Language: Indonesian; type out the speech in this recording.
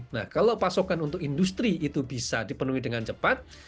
nah kalau pasokan untuk industri itu bisa dipenuhi dengan cepat